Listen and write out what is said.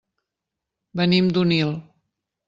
Venim d'Onil.